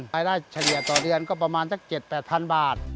รายได้เฉลี่ยต่อเดือนก็ประมาณจาก๗๘๐๐๐บาท